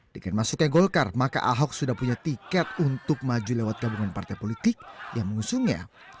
dengan masuknya golkar maka ahok sudah punya tiket untuk maju lewat gabungan partai politik yang mengusungnya